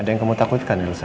ada yang kamu takutkan elsa